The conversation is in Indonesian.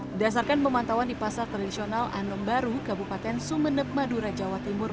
berdasarkan pemantauan di pasar tradisional anom baru kabupaten sumeneb madura jawa timur